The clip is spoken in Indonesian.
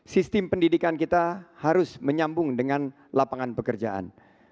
sistem pendidikan kita harus menyambung dengan lapangan pekerjaan